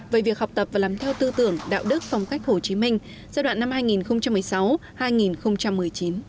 về việc học tập và làm theo tư tưởng đạo đức phong cách hồ chí minh giai đoạn năm hai nghìn một mươi sáu hai nghìn một mươi chín